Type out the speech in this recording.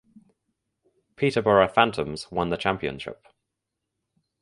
Peterborough Phantoms won the championship.